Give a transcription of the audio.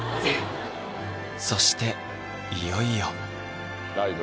そしていよいよライブ？